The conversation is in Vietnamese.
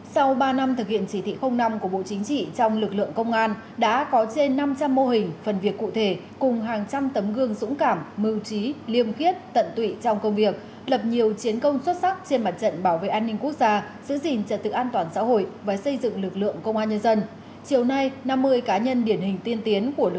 sau ba năm thực hiện chỉ thị năm của bộ chính trị trong lực lượng công an đã có trên năm trăm linh mô hình phần việc cụ thể